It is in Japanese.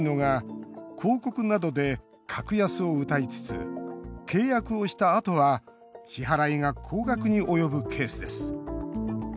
中でも多いのが、広告などで格安をうたいつつ契約をしたあとは支払いが高額に及ぶケースです。